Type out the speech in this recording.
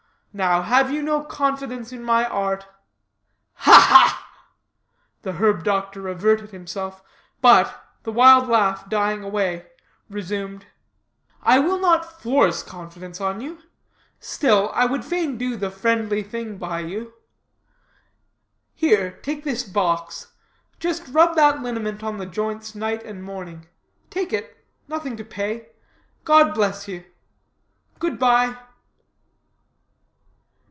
Now, have you no confidence in my art?" "Ha, ha!" The herb doctor averted himself; but, the wild laugh dying away, resumed: "I will not force confidence on you. Still, I would fain do the friendly thing by you. Here, take this box; just rub that liniment on the joints night and morning. Take it. Nothing to pay. God bless you. Good bye."